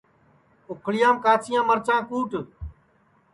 اُکھݪیام کاچیاں مِرچاں کُٹ